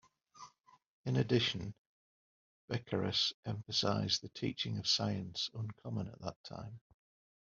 In addition, Becheras emphasised the teaching of science, uncommon at that time.